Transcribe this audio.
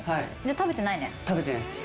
食べてないです。